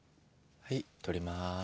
はい取ります。